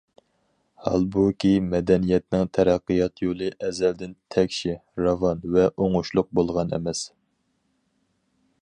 ھالبۇكى، مەدەنىيەتنىڭ تەرەققىيات يولى ئەزەلدىن تەكشى، راۋان ۋە ئوڭۇشلۇق بولغان ئەمەس.